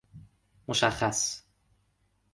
مشخص